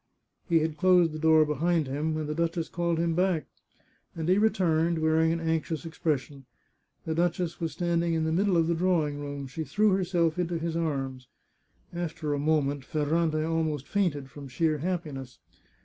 He had closed the door behind him when the duchess called him back, and he returned, wearing an anxious ex pression. The duchess was standing in the middle of the drawing room. She threw herself into his arms. After a moment Ferrante almost fainted from sheer happiness.